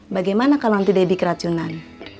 bagaimana kalo nanti debbie keracunan